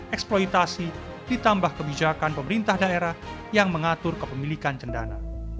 eksploitasi ditambah kebijakan pemerintah daerah yang mengatur kepemilikan cendana